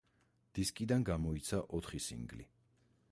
დისკიდან გამოიცა ოთხი სინგლი.